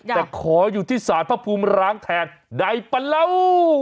แต่ขออยู่ที่สารพระภูมิร้างแทนใดปะเล่า